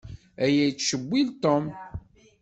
Aya yettcewwil Tom.